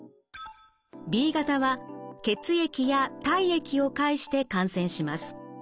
Ｂ型は血液や体液を介して感染します。